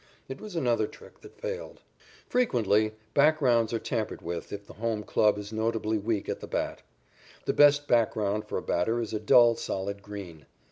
It was another trick that failed. Frequently, backgrounds are tampered with if the home club is notably weak at the bat. The best background for a batter is a dull, solid green.